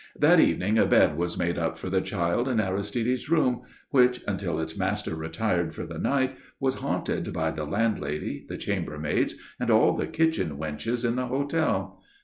That evening a bed was made up for the child in Aristide's room, which, until its master retired for the night, was haunted by the landlady, the chambermaids and all the kitchen wenches in the hotel.